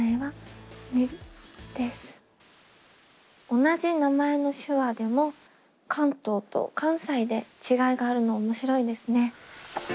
同じ名前の手話でも関東と関西で違いがあるの面白いですね。